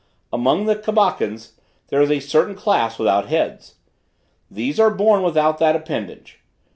Among the Cabacans there is a certain class without heads. These are born without that appendage.